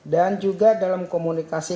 dan juga dalam komunikasi